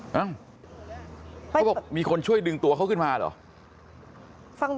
เขาบอกมีคนช่วยดึงตัวเขาขึ้นมาเหรอ